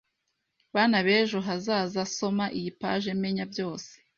Bana bejo hazaza Soma iyi page Menya byose